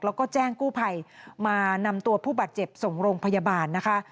แล้วก็แจ้งกู้ภัยมานำตัวผู้บาดเจ็บส่งโรงพยาบาลนะคะ